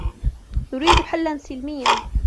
نريد حلاً سلمياً.